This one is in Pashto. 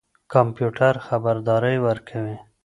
کمپيوټر خبردارى ورکوي.